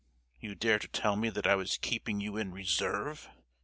You dare to tell me that I was keeping you in reserve!